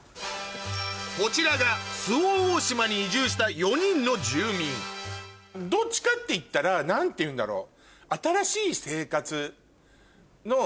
こちらが周防大島に移住した４人の住民どっちかっていったら何ていうんだろう。